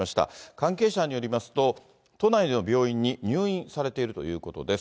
関係者によりますと、都内の病院に入院されているということです。